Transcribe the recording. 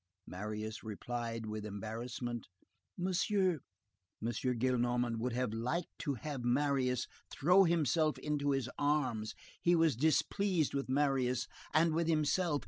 Marius replied with embarrassment:— "Monsieur—" M. Gillenormand would have liked to have Marius throw himself into his arms. He was displeased with Marius and with himself.